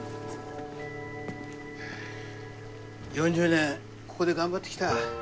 ４０年ここで頑張ってきた。